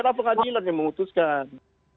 biar apa kan jelas yang memutuskan